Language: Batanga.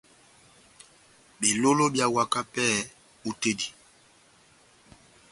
Belóló beháwaka pɛhɛ hú tɛ́h dí.